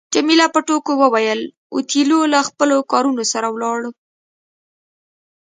جميله په ټوکو وویل اوتیلو له خپلو کارونو سره ولاړ.